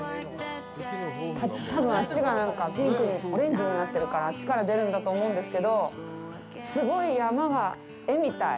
多分、あっちがオレンジになってるから、あっちから出るんだと思うんですけど、すごい山が絵みたい。